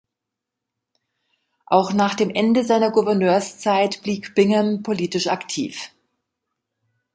Auch nach dem Ende seiner Gouverneurszeit blieb Bingham politisch aktiv.